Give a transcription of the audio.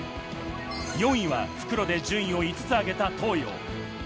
４位は復路で順位を５つ上げた東洋。